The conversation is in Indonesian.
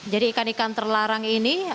ikan ikan terlarang ini